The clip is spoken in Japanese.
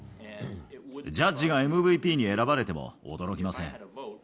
ジャッジがＭＶＰに選ばれても驚きません。